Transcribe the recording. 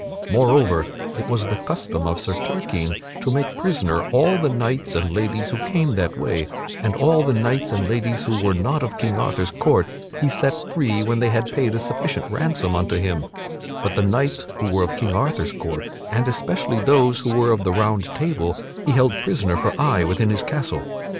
Moreover, it was the custom of Sir Turquine to make prisoner all the knights and ladies who came that way; and all the knights and ladies who were not of King Arthur's court he set free when they had paid a sufficient ransom unto him; but the knights who were of King Arthur's court, and especially those who were of the Round Table, he held prisoner for aye within his castle.